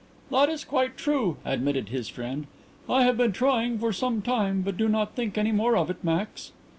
"That is quite true," admitted his friend. "I have been trying for some time but do not think any more of it, Max."